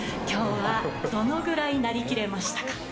今日はどのぐらいなりきれましたか？